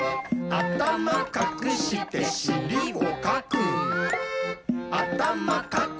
「あたまかくかくしりもかく！」